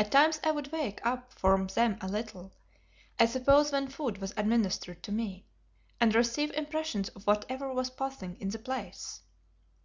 At times I would wake up from them a little, I suppose when food was administered to me, and receive impressions of whatever was passing in the place.